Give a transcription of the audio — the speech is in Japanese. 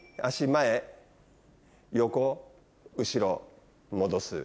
前横後ろ戻す。